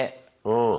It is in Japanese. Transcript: うん。